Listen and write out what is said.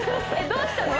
どうしたの？